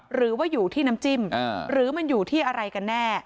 หรือว่าอยู่ที่น้ำจิ้มหรือมันอยู่ที่อะไรกันแน่